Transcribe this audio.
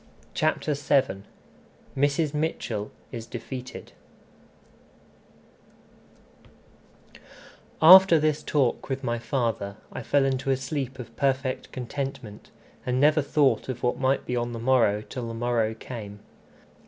CHAPTER VII Mrs. Mitchell is Defeated After this talk with my father I fell into a sleep of perfect contentment, and never thought of what might be on the morrow till the morrow came.